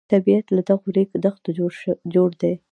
طبیعت له دغو ریګ دښتو جوړ دی.